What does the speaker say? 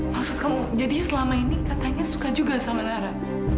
maksud kamu jadi selama ini katanya suka juga sama nara